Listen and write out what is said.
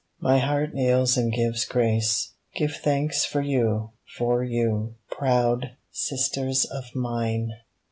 My heart kneels and gives grace. Gives thanks for vou, for you, proud sisters of mine